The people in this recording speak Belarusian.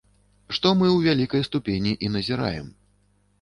Што мы ў вялікай ступені і назіраем.